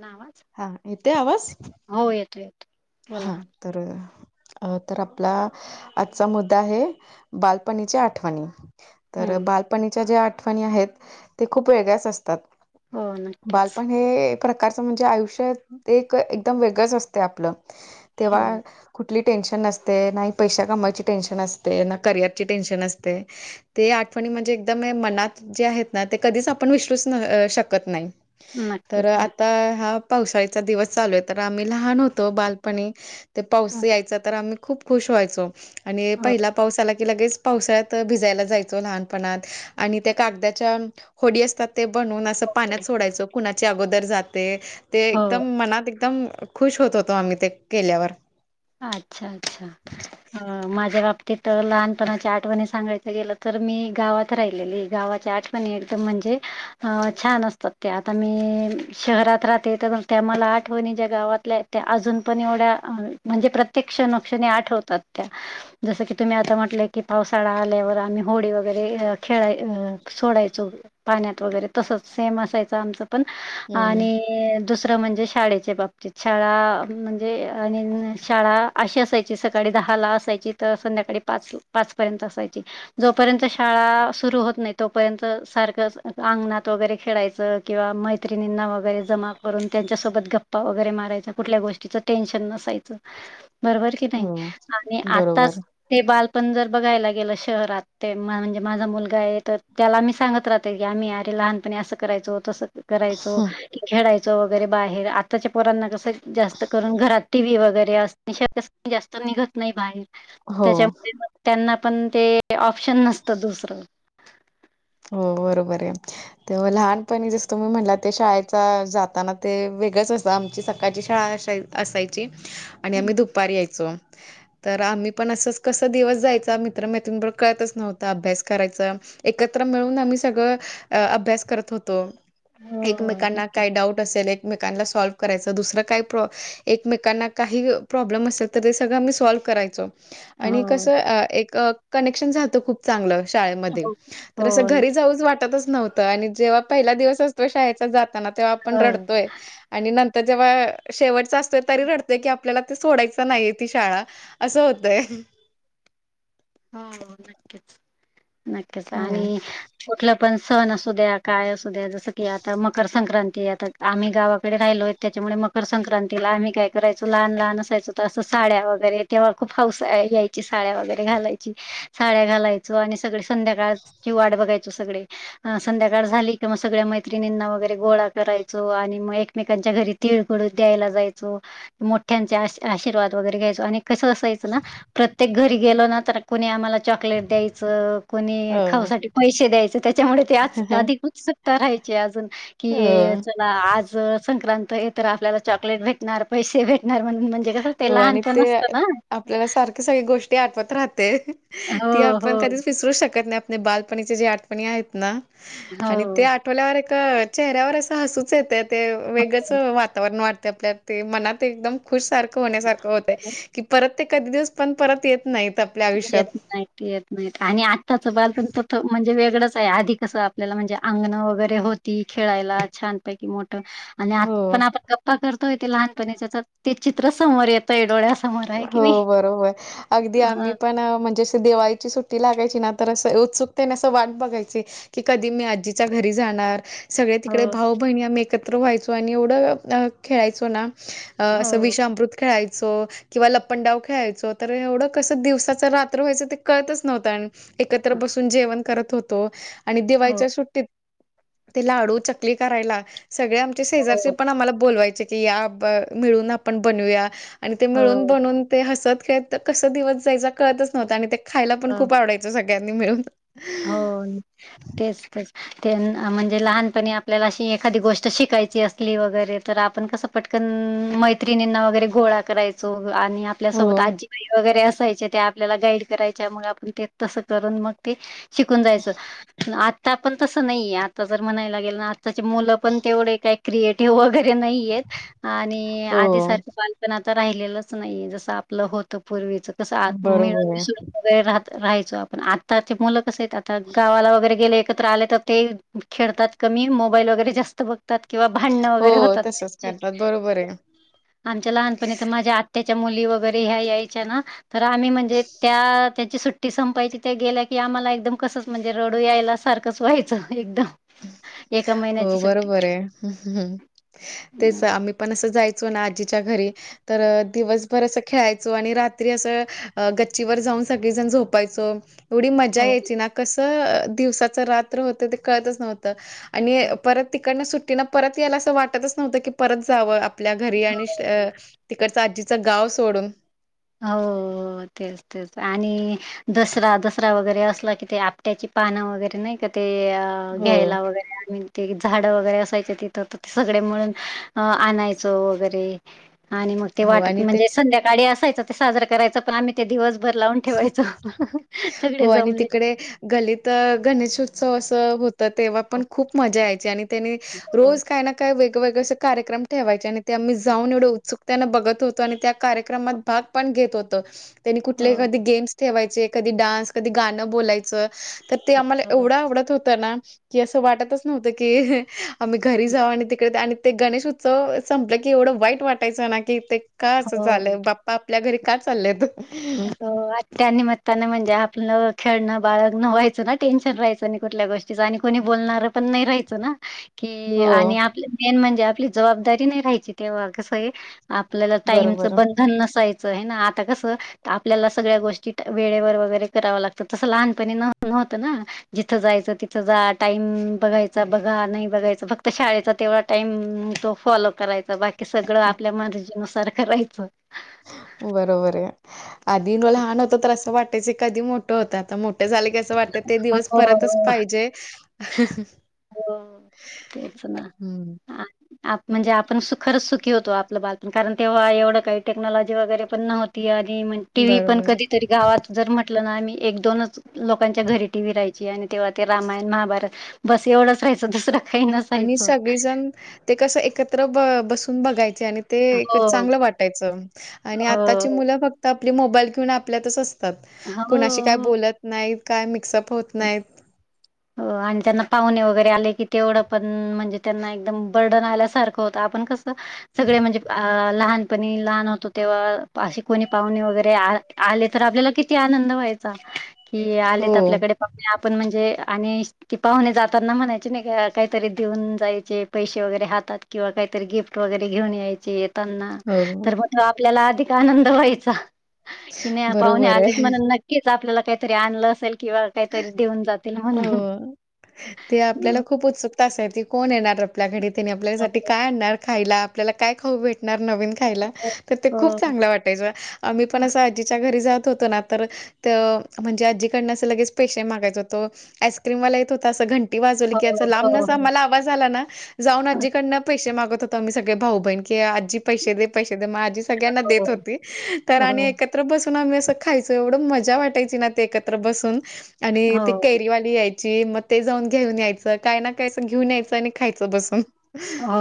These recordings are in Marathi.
ना आवाज? हा येतोय आवाज? हो येतोय. हा तर.. अ तर आपला आजचा मुद्दा आहे. बालपणीची आठवणी तर हम्म बालपणीच्या ज्या आठवणी आहेत. ते खूप वेगळ्याच असतात. हो नक्कीच बालपण हे प्रकारचं म्हणजे आयुष्य एक एकदम वेगळंच असते आपलं तेव्हा हो कुठ कुठली टेन्शन नसते नाही पैश कमायची टेन्शन असते ना करिअरची टेन्शन असते ते आठवणी म्हणजे एकदम मनात जे आहेत ना ते कधीच आपण विसरूच शकत नाही तर नक्कीच आता हा पावसाळीचा दिवस चालू आहे तर आम्ही लहान होतो बालपणी ते पाऊस नक्की यायचा तर आम्ही खूप खुश व्हायचो आणि हो पहिला पावसाला की लगेच पावसाळ्या भिजायला जायचो लहानपणात आणि त्या कागदा्याच्या होडी असतात ते बनून असं पाण्यात सोडायचं कुणाची अगोदर जाते ते हो. एकदम मनात एकदम खुश होत होतो आम्ही ते केल्यावर अच्छा-अच्छा माझ्या बाबतीत लहानपणाच्या आठवणी सांगायच गेलं, तर मी गावात राहिलेली गावाच्या आठवणी प मी एकदम म्हणजे अं छान असतात. ते आता मी शहरात राहते, तर त्या मला आठवणी ज्या गावातल्या त्या अजून पण एवढ्या म्हणजे प्रत्येक क्षणोक्षणी आठवतात त्या जसं की, तुम्ही आता म्हटलंय की, पावसाळा आल्यावर आम्ही होडी वगैरे खेळा अं सोडायचो. पाण्यात वगैरे तसच सेम असायचं आमचं पण हम्म आणि दुसरं म्हणजे शाळेच्या बाबतीत शाळा म्हणजे शाळा अशी असायची सकाळी दहाला असायची तर संध्याकाळी पाच पाचपर्यंत असायची जोपर्यंत शाळा सुरू होत नाही तोपर्यंत सारखं अंगणात वगैरे खेळायचं किंवा मैत्रिणींना वगैरे जमा करून त्यांच्यासोबत गप्पा वगैरे मारायचा कुठल्या गोष्टीचं टेन्शन नसायचं बरोबर की नाही हम्म आणि बरोबर आताच ते बालपण जर बघायला गेलं शहरात ते म्हणजे माझा मुलगा आहे तर त्याला मी सांगत राहते की आम्ही अर लहानपणी असं करायचो होतो असं करायचो खेळायचो वगैरे बाहेर आत्ताच्या पोरांना कस जास्त करून घरात टी व्ही वगैरे अस जास्त निघत नाही बाहेर हो त्याच्यामुळे मग त्यांना पण ते ऑप्शन नसतं दुसरं हो बरोबर आहे ते लहानपणी जस तुम्ही म्हटला ते शाळेचा जाताना ते वेगळंच असतं आमची सका काची शाळा असा असायची आणि आम्ही दुपार यायचो तर आम्ही पण असंच कस दिवस जायचा मित्रमैत्रंबरोब कळतच नव्हतं अभ्यास करायचं एक एकत्र मिळून आम्ही सगळं अभ्यास करत होतो हो, हो. एकमेकांना नक्कीच. काय डाऊट असेल एकमेकांना सॉल्व करायचं दुसरं काय प्र एकमेकांना काही प्रॉब्लेम असेल तर ते सगळं मी सॉल्व करायचो आणि कस हो, कनेक्शन खूप चांगलं शाळेमध्ये हो, तर हो, अस घरी जाऊच वाटतच नव्हतं आणि जेव्हा पहिला दिवस असतो शाळेचा जाताना तेव्हा आपण रडतोय आणि नंतर जेव्हा शेवटचा असतोय तरी रडतय की आपल्याला ते सोडायचं नाहीये ती शाळा असं होतय हो नक्कीच नक्कीच हां. आणि कुठलं पण सण असू द्या काय असू द्या जसं की आता मकर संक्रांती आता आम्ही गावाकडे राहिलोत त्याच्यामुळे मकर संक्रांतीला आम्ही काय करायचो लहान लहान असायचो तर तं साड्या वगैरे तेव्हा खूप हाऊस यायची साड्या वगैरे घालायची साड्या घालायच आणि सगळे संध्याकाळ कि वाट बघायच सगळे संध्याकाळ झाली कि मग सगळ्या मैत्रिणींना वगैरे गोळा करायचो आणि मग एकमेकांच्या घरी तिळगळू द्यायला जायचो मोठ्यांचे आशीर्वाद वगैरे घ्यायचो आणि कसं असायचं ना प्रत्येक घरी गेलो ना तर कुणी आम्हाला चॉकलेट द्यायचं कुणी हो. खाऊसाठी पैसे द्यायचं त्याच्यामुळे ते आज अधिक उत्सुकता राहायची अजून कि हो. आज संक्रांत आहे तर आपल्याला चॉकलेट भेटणार पैसे भेटणार म्हण म्हणजे कस ते लहानत नसत ना सग गोष्टी आठवत राहते ती हो, आपण हो, कधीच विसरू शकत नाही बालपणीचे जे आठपणी आहेत ना आणि ते हो. आठ आठोल्यावर एक चेहऱ्यावर असं हसूच येते ते हो, वेगळंच वातावरण वाढते आपल्यात ते मनात एकदम खुश सारखं होण्यासारखं होतय की परत ते कधी दिवस पण परत येत नाही ये नाही येत नाही आणि आत्ताचं बालपण तर म्हणजे वेगळंच आहे आधी कसं आपल्याला म्हणजे अंगण वगैरे होत ती खेळायला छानपैकी मोठं आणि आता हो पण आपण गप्पा करतोय ते लहानपणी त्या ते चित्र समोर येतंय डोळ्यासमोर आहे की हो नाही. बरोबर अगदी आम्ही हां, पण म्हणजे दि देवाळीची सुट्टी लागायची ना तर असं उत्सुकतेने असं वाट बघायची की कधी मी आजीच्या घरी जाणार सगळे हो, तिकडे भाऊ बहिणी आम्ही एकत्र व्हायचो आणि एवढं खेळायचो ना असं हो, विषामृत खेळायचो किंवा लपन डाऊन खेळायचो तर एवढं कसं दिवसाचं रात्र व्हायं ते कळतच नव्हतं आणि एकत्र बसून जेवण करत होतो आणि हो, दिवाळीच्या सुट्टीत ते लाडू चकली करायला सगळे आमचे हो, शेजारचे पण आम्हाला बोलवायचे मिळून आपण बनूया आणि ते मिळून हो, बनून ते हसत खेळत कस दिवस जायचं कळतच नव्हं आणि ते खायला पण हं, खूप आवडायचं सगळ्यांनी मिळून हो तेच तर ते म्हणजे लहानपणी आपल्याला अशी एखादी गोष्ट शिकायची असली वगैरे तर आपण कसं पटकन मैत्रिणींना वगैरे गोळा करायचा आणि हो आपल्यासोबत आजीबाई वगैरे असायचे ते आपल्याला गाईड करायच्या मग आपण ते तसं करून मग ते शिकून जायचं आता पण तसं नाहीये आता जर म्हणायला गेल ना आत्ताची मुलं पण तेवढे काय क्रिएटिव्ह वगैरे नाही येत आणि हो आधीसारखे बाल पण आता राहिलेलंच नाहीये जस आपलं होतं पूर्वीच कसं मिळून बरोबर आहे मिसळून वगर राह राहायचो आपण आता ते मुलं कस आहेत आता गावाला वगैरे गेले एकत्र आले तर ते खेळतात कमी मोबाईल वगैरे जास्त बघ किंवा भांडण हो वगैरे होतात तसच करतात बरोबर आहे आमच्या लहानपणी तर माझ्या आ त्याच्या मुली वगैरे ह्या यायच्या ना तर आम्ही म्हणजे त्या त्यांची सुट्टी संपायची त्या गेल्या की आम्हाला एकदम कसंच म्हणजे रडू यायला सारखंच व्हायचं एकदम एका हो महिन्याची सुट्टी बरोबर आहे तेच आम्ही पण असं जायचो ना आजीच्या घरी तर दिवसभर असं खेळायचो आणि रात्री असं गच्चीवर जाऊन सगळीजण झोपायचो एवढी मजा हो यायची ना कसं दिवसाचं रात्र होतं ते कळतच नव्हतं आणि परत तिकडनं सुट्टीन परत यायला असं वाटतच नव्हतं की परत जावं आपल्या घरी आणि तिकडचं आजीचं गाव सोडून हो तेच तेच आणि दसरा दसरा वगैरे असला कि ते आप त्याची पानं वगैरे नाही का ते हो. घ्यायला वगैरे ते झाडं वगैरे असायचे तिथ तर ते सगळे मिळून अ आणायचं वगैरे आणि मग ते हो वाट आणि ते म्हणजे संध्याकाळी असायचं ते साजं करायचं पण आम्ही ते दिवसभर लावून ठेवायचं सगळे जमले गलित गणेश उत्सव असं होत तर तेव्हा पण हो खूप मजा यायची आणि त्यानी रोज काय ना काय वेगवेगळे असे कार्यक्रम ठेवायचे आणि ते आम्ही जाऊन एवढे उत्सुकतेनं बघत होतो आणि त्या कार्यक्रमात भाग पण घेत होत त्यांनी कुठ तथले हो कधी गेम्स ठेवायचे कधी डान्स कधी गाणं बोलायचं तर ते आम्हाला एवढं आवडत होतं ना की असं वाटतच नव्हतं की आम्ही घरी जाऊ आणि तिकडे आणि ते गणेश उत्सव संपलं की एवढं वाईट वाटयचं ना की ते का असं हो चाललंय बाप्पा आपल्या घरी का चाललंय हो त्या निमित्तानं म्हणजे आपलं खेळणं बाळग न व्हाचं ना टेन्शन राहायं कुठल्या गोष्टीचं आणि कोणी बोलणारं पण नाही राहायचं ना. कि हो, आणि आपलं मेन म्हणजे आपली जबाबदारी नाही राहायची तेव्हा कसं आहे आपल्याला टाइमचं बरोबर. बंधन नसायचं आहे ना आता कसं आपल्याला सगळ्या गोष्टी वेळेवर वगैरे करावं लागतं तसं लहानपणी नव्हतं ना. जिथं जायचं तिथं जा टाइम बघायचा बघा नाही बघायचं फक्त शाळेचा तेवढा टाइम तो फॉलो करायचा बाकी सगळं आपल्या मर्जीनुसार करायचं. बरोबर आहे आधी लहान त्र अस वाटयं की मोठं होता आता मोठे झा वाटत ते दिवस परतच हो पाहिजे. हो तेच ना हम्म. आप म्हणजे आपण सुखरच सुखी होतो आपलं बाल कारण तेव्हा एवढं काही टेक्नॉलॉजी वगैरे पण नव्हती आणि मग टी व्ही पण बरोबर कधीतरी गावात जर म्हटलं ना आम्ही एक दोनच लोकांच्या घरी टीवी राहायची आणि तेव्हा ते रामायण महाभारत बस एवढंच रायचं तसं आणि सगळीजण ते कस एकत्र ब बसून बघायचे आणि ते एक हो चांगलं वाटायचं आणि हो आताची मुलं फक्त आपली मोबाईल घेऊन आपल्यातच हो कुणाशी काय हो बोलत नाहीत, काय मिक्सअप होत नाहीत. हो आणि त्यांना पाहुणे वगैरे आले की तेवढं पण म्हणजे त्यांना एकदम बर्डन आल्यासारखं होतं आपण कस सगळे म्हणजे लहान प लहान होतो तेव्हा अशे कोणी पाहुणे वगैरे आले तर आपल्याला किती आनंद व्हायचा. कि आलेत हो, आपल्याकडे पाहुणे आपण म्हणजे आणि ती पाहुणे जाताना म्हणायची नाही का काहीतरी देऊन जायचे पैसे वगैरे हातात. किंवा काहीतरी गिफ्ट वगैरे घेऊन यायचे आहेत. ना हो. तर म्हण आपल्याला अधिक आनंद व्हायचा. कि नाही पाहुणे बरोबर आहे. आले म्हण नक्कीच आपल्याला काहीतरी आणलं असेल किंवा काहीतरी देऊन जात. हो ते आपल्याला खूप उत्सुकता असायची कोण येणार आपल्या घरी त्यानी हं. आपल्यासाठी काय आणणार खायला आपल्याला काय खाऊ भेटणार नवीन खायला हो, तर ते खूप हो. चांगलं वाटत. आम्ही पण असं आजीच्या घरी जात होतो ना तर तर म्हणजे आजीकडन असं लगेच पेश मागायच होआईस्क्रीमला येत होता असं घंट वाजवली हो, हो, की याचा हो, लांबनच आम्हाला आवाज आला ना जाऊन आजीकडनं पैसे मागत होतो मी सगळे भाऊ बहीण की आजी पैसे दे पैसे दे मग आजी सगळ्यांना देत होती तर हो, आणि बसून आम्ही असं खायच एवढं मजा वाटायची ना ते एकत्र बसून आणि ते हो, वाली यायची मग ते जाऊन घेऊन यायचं काय ना कायच घेऊन यायचं आणि खायचं बसून हो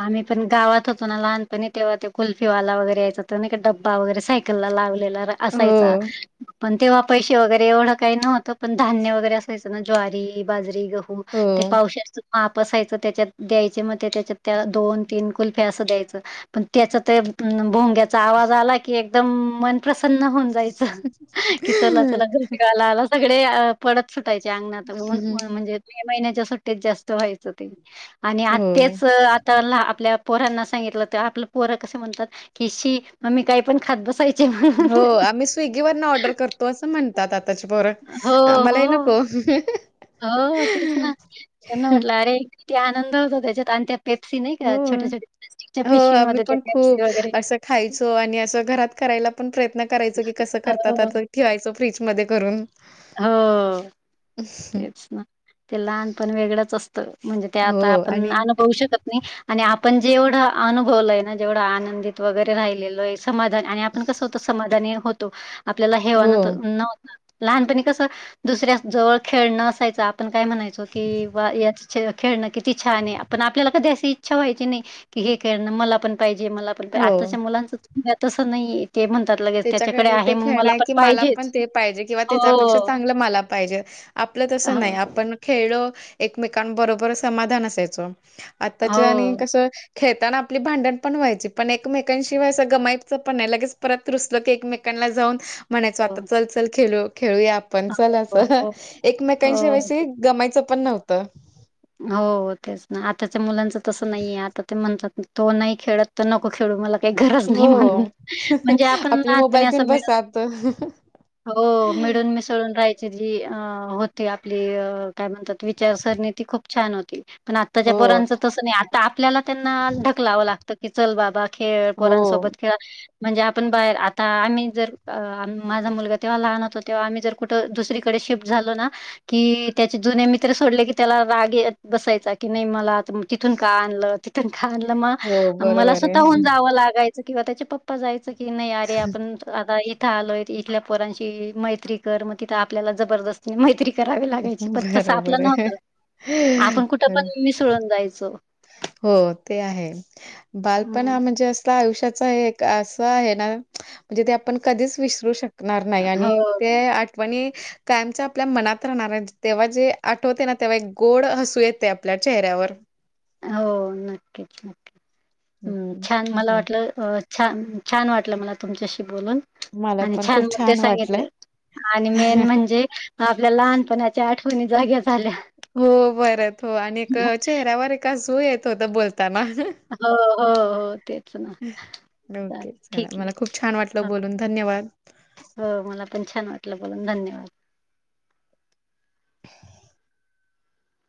आम्ही पण गावात होतो ना लहानपणी तेव्हा ते कुल्फीवाला वगैरे यायच होतो ना का डबा वगैरे सा लावलेला असायचा हो. पण तेव्हा पैसे वगैरे एवढं काही नव्हतं, पण धान्य वगैरे असायचं ना ज्वारी, बाजरी ते हो. पावश माप असायच त्याच्यात द्यायच मग त्याच्या दोन तीन कुल्फे असं द्यायच पण त्याचा तर भोंग्याचा आवाज आला की एकदम प्रसन्न होऊन जायच की चला चला घंटीवाला आला सगळे पळत सुटायचे अंगणातऊन हं, म्हणजे मे महिन्याच्या सुट्टीेत जास्त व्हायचं ते आणि आ हो. आता आपल्या पोरांना सांगितलं तर आपलं पोरं कसं म्हणतात कि शी मग ममी काही पण खात बसायच हो आम्ही स्विगी वरन ऑर्डर करतो असं म्हणतात आताची पोर हो आम्हाला हो ये नको हो तेच ना त्यांना म्हटलं अरे किती आनंद होतो त्याच्यात आणि त्या पेप्सी नाही का हो. छोट्या छोट्या प्लास्टिकच्या हो, आम्ही पिशवीमध्ये ते पण पेप्सी खूप वगैरे असं खायचो आणि असं घरात करायला पण प्रयत्न करायचो कि कसं हो करतात आ ठेवायचं फ्रीजमध्ये करून हो तेच ना ते लहानपण वेगळंच असतं म्हणजे ते हो आता आपण आणि अनुभवू शकत आणि, आणि आपण जेवढं अनुभवलय ना, जेवढा आनंदित वगैरे राहिलेलोय समाजात. आणि आपण कसं होतो, समाधानी होतो आपल्याला हेवा हो, नत, नव्ह लहानपणी कसं, दुसऱ्या जवळ खेळणं असायचं. आपण काय म्हणायचो कि वा! याचं खेळणं किती छानय. पण आपल्याला कधी अशी इच्छा व्हायची नाही की, हे खेळणं मला पण पाहिजे, मला पण पा, हो. आताच्या मुलाचं तसं नाहीय. ते म्हणतात लगे त्याच्याकडे ते खेळणं हाय की, मला पण ते पाहिजे. किंवा हो त्याच्यापेक्षा चांगलं मला पाहिजे. आपलं हो तसं नाही, आपण खेळलो, एकमेकां बरोबर समाधान असायचो. हो आताच्या आणि कसं खेळताना आपली भांडण पण व्हायची. पण एकमेकांशिवाय असं गमाईपच पण नाही. लगेच परत रुसलं की एकमेकांना जाऊन म्हणायचो, हो. आता चल, चल खेलू खेळूया आपण. हो, चला, हो, चला हो. एकमेकांशिवाय गमायचं पण नव्हतं. हो, तेच ना. आताच्या मुलांच तसं नाहीये. आता ते म्हणतात तो नाही खेळत तर, नको खेळू मला काही गरज नाही म्हणून. हो. म्हणजे, आपण आपली लहानपणी मोबाईल घेऊन असं बसा मिळून आता हो, मिळून- मिसळून राहायची. जी अ होती आपली अ काय म्हणतात विचारसरणी, ती खूप छान होती. पण आत्ताच्या हो पोरांचं तसं नाही. आता आपल्याला त्यांना ढकलावं लागतं की, चल बाबा खेळ. हो. पोरांसोबत खेळा म्हणजे आपण बाहेर, आता आम्ही जर आ माझा मुलगा तेव्हा लहान होता तेव्हा, आम्ही जर कुठं, दुसरीकडे शिफ्ट झालो ना की, त्याचे जुने मित्र सोडले की त्याला राग येत बसायचा की, नाही मला आता तिथून का आणलं? तिथून का आणलं? हो मग मला बरोबर आहे स्वतःहून जावं लागायचं किंवा त्याचे पप् पा जायचं की, नाही अरे आपण आता इथ थ आलोय. इथल्या पोरांशी मैत्री कर. मग तिथं आपल्याला जबरदस्त मैत्री करावी लागायची. पण तसं बरोबर आपलं आहे. नव्हतं. आपण कुठं बरं. पण मिसळून जायचो. हो, ते आहे. बालपणा हं म्हणजे अस आयुष्याचा एक अस आहे ना, [unintelligible] म्हणजे ते आपण कधीच विसरू शक णार नाही. आणि हो ते आठवणी कायमच आपल्या मनात राहणार आहे. तेव्हा जे आठवते ना, तेव्हा एक गोड हसू येतय, आपल्या चेहऱ्यावर. हो, नक्कीच, हं, नक्की्. हं. छान मला चालतंय. वाटलं अ छान, छान वाटलं मला, तुमच्याशी बोलून. मला आणि पण छान खूप मुद्दे वाटलं. सांगितले. आणि मेन म्हणजे आपल्या लहानपणाच्या आठवणी जाग्या झा हो, परत हो आणि एक हो, चेहऱ्यावर एक हसू येत होतं, बोलताना. हो, हो, हो. ते [unintelligible] [unintelligible] ओके. चला, मला खूप छान वाटलं हां. बोलून. धन्यवाद! हो, मला पण छान वाटलं बोलून. धन्यवाद!